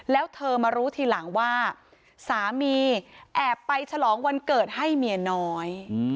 แล้วเธอมารู้ทีหลังว่าสามีแอบไปฉลองวันเกิดให้เมียน้อย